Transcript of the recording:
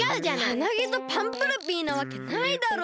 ハナゲとパンプルピーなわけないだろ！